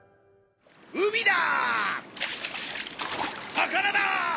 魚だ！